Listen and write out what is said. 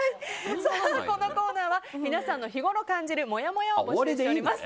このコーナーは皆さんの日ごろ感じるもやもやを募集しております。